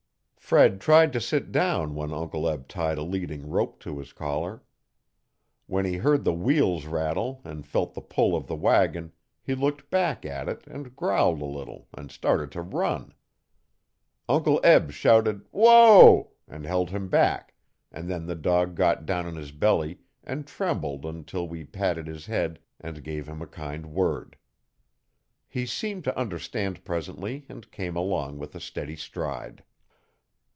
Fred tried to sit down when Uncle Eb tied a leading rope to his collar. When he heard the wheels rattle and felt the pull of the wagon he looked back at it and growled a little and started to run. Uncle Eb shouted 'whoa', and held him back, and then the dog got down on his belly and trembled until we patted his head and gave him a kind word. He seemed to understand presently and came along with a steady stride.